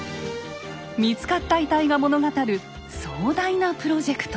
見つかった遺体が物語る壮大なプロジェクト。